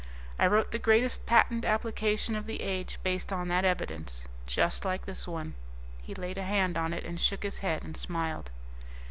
I wrote the greatest patent application of the age based on that evidence. Just like this one." He laid a hand on it, and shook his head, and smiled.